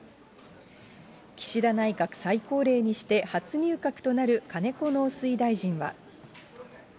岸田内閣最高齢にして初入閣となる金子農水大臣は。